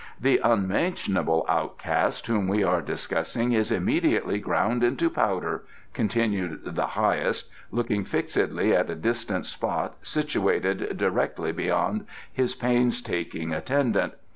" the unmentionable outcast whom we are discussing is immediately ground into powder," continued the Highest, looking fixedly at a distant spot situated directly beyond his painstaking attendant.